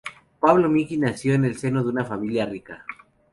Pablo Miki nació en el seno de una familia rica.